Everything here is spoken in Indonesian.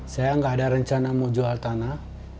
saya nggak ada rencana mau jual tanah